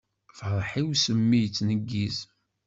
Ferḥ-iw s mmi yettneggiz.